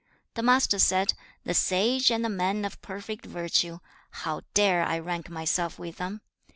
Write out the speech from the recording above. The Master said, 'The sage and the man of perfect virtue; how dare I rank myself with them?